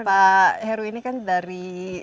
pak heru ini kan dari